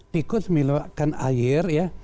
tikus menghilangkan air ya